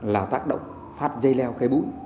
là tác động phát dây leo cây bũ